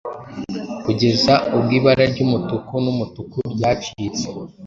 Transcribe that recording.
Kugeza ubwo ibara ryumutuku n'umutuku ryacitse